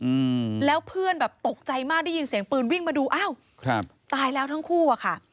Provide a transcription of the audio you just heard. อืมแล้วเพื่อนแบบตกใจมากได้ยินเสียงปืนวิ่งมาดูอ้าวครับตายแล้วทั้งคู่อ่ะค่ะ